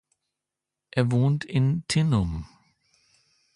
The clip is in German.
Er wohnt in Tinnum.